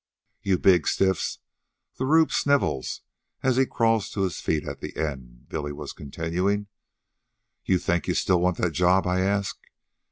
"'You big stiffs,' the rube snivels as he crawls to his feet at the end," Billy was continuing. "'You think you still want that job?' I ask.